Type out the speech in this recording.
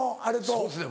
そうですね